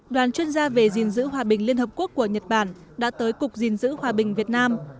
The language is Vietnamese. đoàn chuyên gia về gìn giữ hòa bình liên hợp quốc của nhật bản đã tới cục gìn giữ hòa bình việt nam